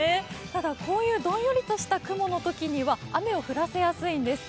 ただこういうどんよりとした雲のときには雨を降らせやすいんです。